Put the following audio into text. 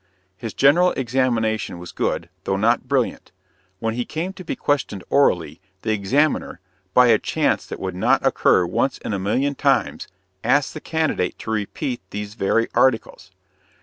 His general examination was good, though not brilliant. When he came to be questioned orally, the examiner, by a chance that would not occur once in a million times, asked the candidate to repeat these very articles.